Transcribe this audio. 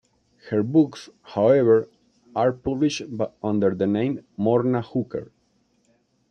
Her books, however, are published under the name Morna Hooker.